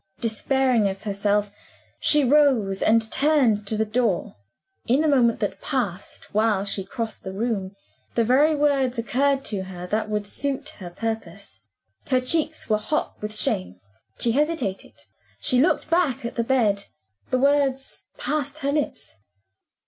Despairing of herself she rose and turned to the door. In the moment that passed while she crossed the room the very words occurred to her that would suit her purpose. Her cheeks were hot with shame she hesitated she looked back at the bed the words passed her lips.